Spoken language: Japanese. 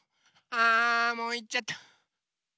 あもういっちゃった。